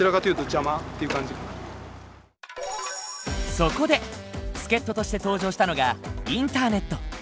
そこで助っ人として登場したのがインターネット。